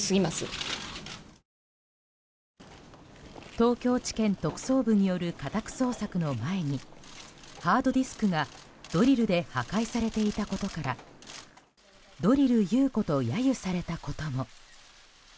東京地検特捜部による家宅捜索の前にハードディスクがドリルで破壊されていたことからドリル優子と揶揄されたことも。